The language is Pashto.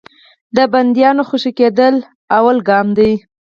د بندیانو خوشي کېدل لومړی ګام دی.